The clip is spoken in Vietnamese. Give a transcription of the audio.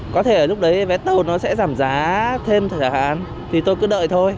có thể lúc đấy vé tẩu nó sẽ giảm giá thêm thẻ hạn thì tôi cứ đợi thôi